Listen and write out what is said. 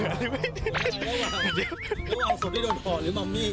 อะไรวะอังสุที่โดดถอดหรือมำมี